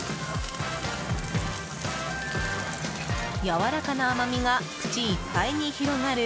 やわらかな甘みが口いっぱいに広がる